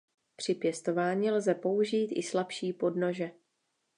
Při pěstování lze použít i slabší podnože.